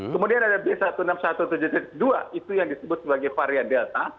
kemudian ada b seribu enam ratus tujuh belas dua itu yang disebut sebagai varian delta